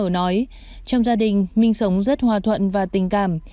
bà t nói trong gia đình minh sống rất hòa thuận và tình cảm